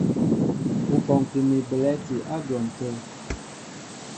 Ú kɔŋki mi belɛ̂ti á dwɔn tə̂.